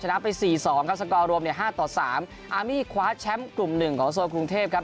นะไปสี่สองครับสกอร์รวมเนี่ยห้าต่อสามอามีคว้าแชมป์กลุ่มหนึ่งของโซนกรุงเทพครับ